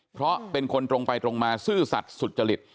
เพราะเป็นคนตรงไปตรงมาซื่อสัตว์สุจริต